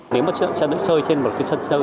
nếu mà sân nước sơi trên một sân sâu